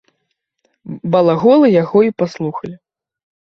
Балаголы яго і паслухалі.